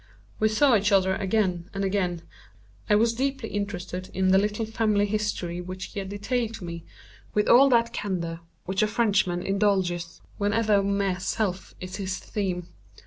We saw each other again and again. I was deeply interested in the little family history which he detailed to me with all that candor which a Frenchman indulges whenever mere self is his theme.